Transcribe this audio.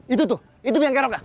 itu tuh itu piang keroka